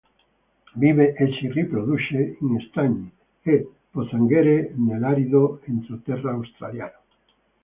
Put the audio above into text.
Vive e si riproduce in stagni e pozzanghere nell'arido entroterra Australiano.